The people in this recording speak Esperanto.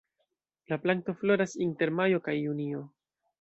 La planto floras inter majo kaj junio.